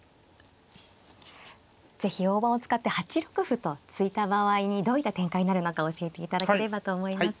是非大盤を使って８六歩と突いた場合にどういった展開になるのか教えていただけばと思います。